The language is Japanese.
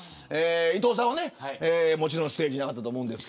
伊藤さんはもちろんステージに上がったと思います。